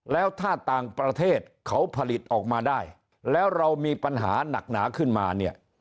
แล้วถ้าต่างประเทศเขาผลิตออกมาได้แล้วเรามีปัญหาหนักหนาขึ้นมาเนี่ย